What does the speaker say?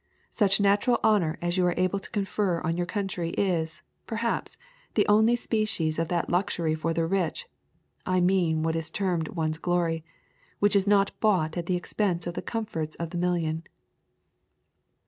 Such national honour as you are able to confer on your country is, perhaps, the only species of that luxury for the rich (I mean what is termed one's glory) which is not bought at the expense of the comforts of the million."